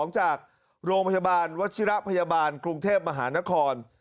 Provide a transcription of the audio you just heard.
จากโรงพยาบาลวัชิระพยาบาลกรุงเทพมหานคร